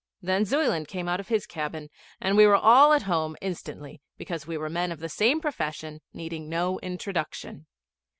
Then Zuyland came out of his cabin, and we were all at home instantly, because we were men of the same profession needing no introduction.